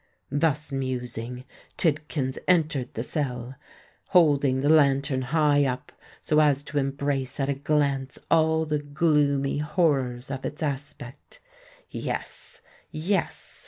Thus musing, Tidkins entered the cell, holding the lantern high up so as to embrace at a glance all the gloomy horrors of its aspect. "Yes—yes!"